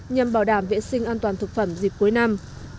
nhằm bảo đảm vệ sinh an toàn thực phẩm dịp cuối năm